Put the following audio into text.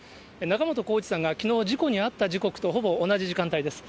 仲本工事さんが、きのう事故に遭った時刻とほぼ同じ時間帯です。